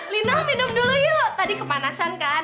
lina minum dulu yuk tadi kepanasan kan